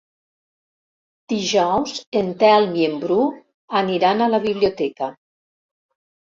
Dijous en Telm i en Bru aniran a la biblioteca.